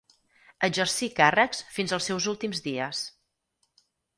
Exercí càrrecs fins als seus últims dies.